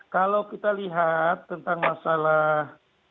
kalau kita lihat tentang masalah